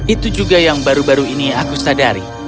itu juga yang baru baru ini aku sadari